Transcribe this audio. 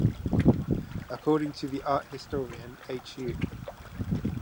According to the art historian H.-U.